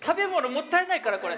もったいないこれ。